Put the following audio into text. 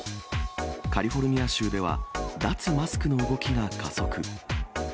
カリフォルニア州では、脱マスクの動きが加速。